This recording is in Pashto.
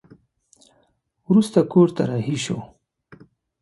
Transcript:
وروسته کور ته رهي شوه.